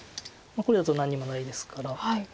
これだと何にもないですから。